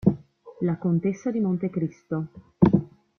La contessa di Montecristo